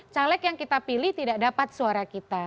caleg yang kita pilih tidak dapat suara kita